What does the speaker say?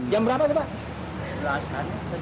jam berapa itu pak